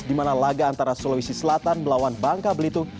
dimana laga antara sulawesi selatan melawan bangka belitung